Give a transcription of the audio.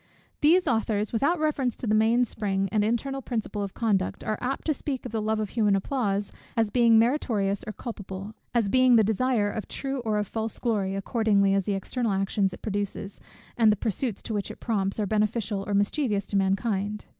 These authors, without reference to the main spring, and internal principle of conduct, are apt to speak of the love of human applause, as being meritorious or culpable, as being the desire of true or of false glory, accordingly as the external actions it produces, and the pursuits to which it prompts, are beneficial or mischievous to mankind.